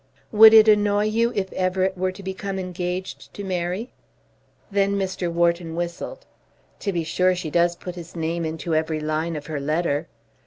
"Would it annoy you if Everett were to become engaged to Mary?" Then Mr. Wharton whistled. "To be sure she does put his name into every line of her letter.